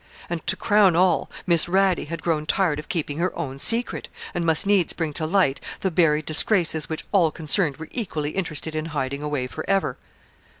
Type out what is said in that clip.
And to crown all, Miss Radie had grown tired of keeping her own secret, and must needs bring to light the buried disgraces which all concerned were equally interested in hiding away for ever.